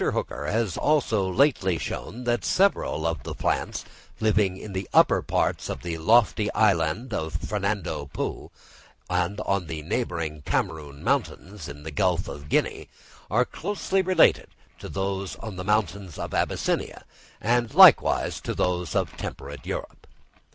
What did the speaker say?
Hooker has also lately shown that several of the plants living on the upper parts of the lofty island of Fernando Po, and on the neighbouring Cameroon Mountains, in the Gulf of Guinea, are closely related to those on the mountains of Abyssinia, and likewise to those of temperate Europe.